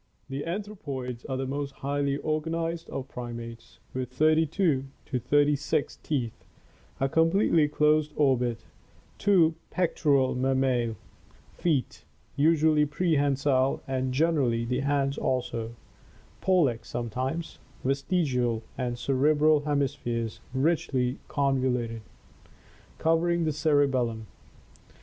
— The anthropoids are the most highly organized of primates, with thirty two to thirty six teeth, a completely closed orbit, two pectoral mammie, feet usually prehensile and generally the hands also, pollcx sometimes vestigial, and cere bral hemispheres richly convoluted, covering the cerebellum.